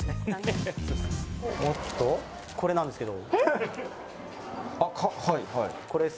これなんですけど。